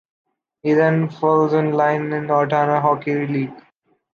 He then falls in line in the Ontario Hockey League.